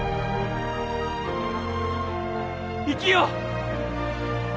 生きよう！